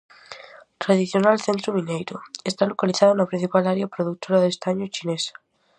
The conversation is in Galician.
Tradicional centro mineiro, está localizado na principal área produtora de estaño chinesa.